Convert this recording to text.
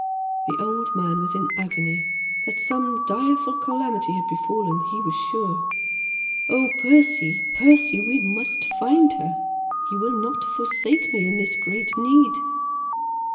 The old man was in agony. That some direful calamity had befallen he was sure. "Oh, Percy! Percy! We must find her! You will not forsake me in this great need?"